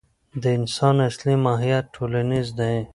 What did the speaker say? د انسان اصلي ماهیت ټولنیز دی.